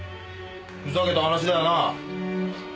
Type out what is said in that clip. ふざけた話だよな。